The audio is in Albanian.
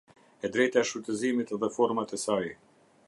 E drejta e shfrytëzimit dhe format e saj.